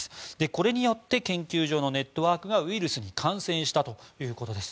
これによって研究所のネットワークがウイルスに感染したということです。